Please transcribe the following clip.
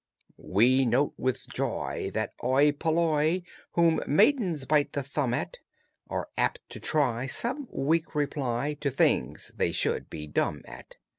We note with joy that oi polloi, Whom maidens bite the thumb at, Are apt to try some weak reply To things they should be dumb at.